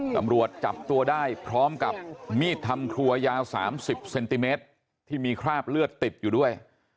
ตำรวจจับตัวได้พร้อมกับมีดทำครัวยาว๓๐เซนติเมตรที่มีคราบเลือดติดอยู่ด้วย